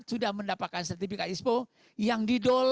sudah mendapatkan sertifikat ispo yang didorong